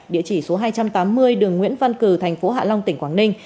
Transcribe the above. địa chỉ số hai trăm tám mươi đường nguyễn văn cử thành phố hạ long tỉnh quảng ninh